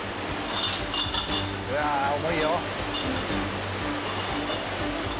うわあ重いよ。